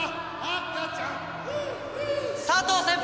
・佐藤先輩！